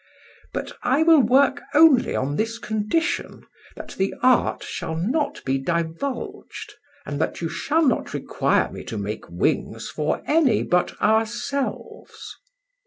But I will work only on this condition, that the art shall not be divulged, and that you shall not require me to make wings for any but ourselves."